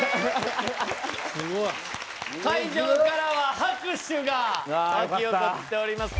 会場からは拍手が沸き起こっております。